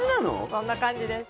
そんな感じです